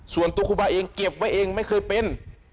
ครูบาเองเก็บไว้เองไม่เคยเป็น